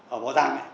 ở bảo tàng này